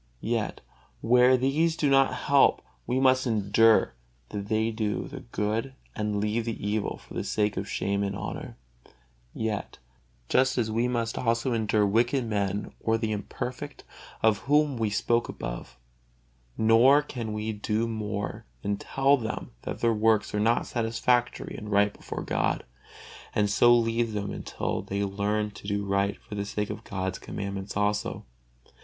Yet where these do not help, we must endure that they do the good and leave the evil for the sake of shame and of honor, just as we must also endure wicked men or the imperfect, of whom we spoke above; nor can we do more than tell them that their works are not satisfactory and right before God, and so leave them until they learn to do right for the sake of God's commandments also.